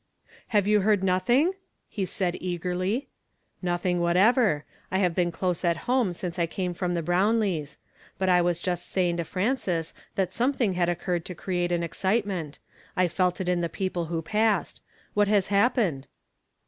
"Have you heard nothing?" he said eagerly. " Nothing whatever. I have been close at home since I came from the Brownlees'. But I was just saying to Frances that something had occurred to create an excitement; I felt it in the people who passed. What has happened